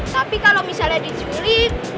tapi kalau misalnya diculik